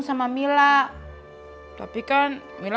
bagi mila duidu dong be